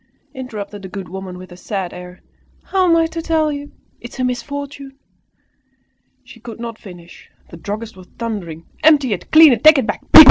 interrupted the good woman, with a sad air, "how am I to tell you? It is a misfortune!" She could not finish, the druggist was thundering "Empty it! Clean it! Take it back!